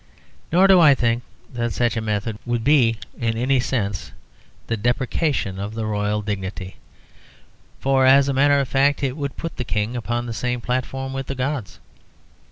Nor do I think that such a method would be in any sense a depreciation of the royal dignity; for, as a matter of fact, it would put the King upon the same platform with the gods.